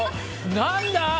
何だ？